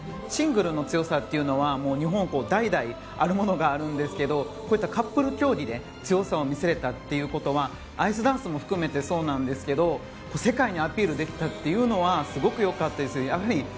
シングルの強さというのは日本は代々あるものがあるんですがカップル競技で強さを見せれたというのはアイスダンスも含めてそうなんですけど世界にアピールできたというのはすごくよかったです。